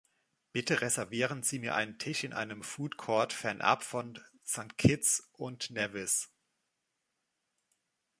Bitte reservieren Sie mir einen Tisch in einem Food Court fernab von St. Kitts und Nevis.